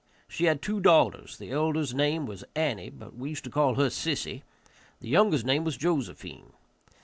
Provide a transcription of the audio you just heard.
She had two daughters; the elder's name was Annie, but we used to call her sissie; the younger's name was Josephine.